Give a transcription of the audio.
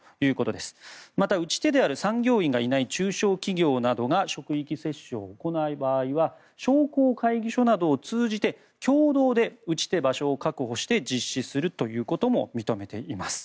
また、打ち手である産業医がいない中小企業などが職域接種を行う場合は商工会議所などを通じて共同で打ち手、場所を確保して実施するということも認めています。